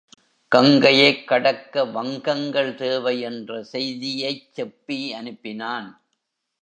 கங்கையைக் கடக்க வங்கங்கள் தேவை என்ற செய்தியைச் செப்பி அனுப்பினான்.